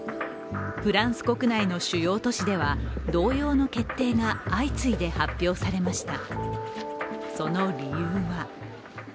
フランス国内の主要都市では同様の決定が相次いで発表されました。